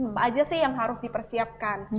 apa aja sih yang harus dipersiapkan